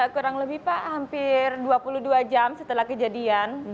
kurang lebih pak hampir dua puluh dua jam setelah kejadian